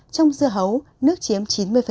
trong dừa hấu nước chiếm chín mươi